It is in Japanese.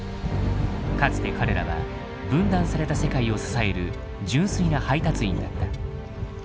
かつて彼らは分断された世界を支える純粋な配達員だった。